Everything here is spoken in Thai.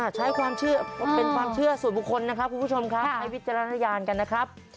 ใช้ความเชื่อเป็นความเชื่อส่วนบุคคลนะครับคุณผู้ชมครับใช้วิจารณญาณกันนะครับ